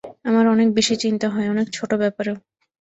আমার অনেক বেশি চিন্তা হয় অনেক ছোট ব্যাপারেও।